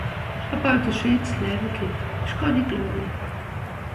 Isch ha halt e scheens Lawe ghet, isch kann net beklage.